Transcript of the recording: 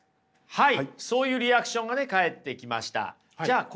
はい。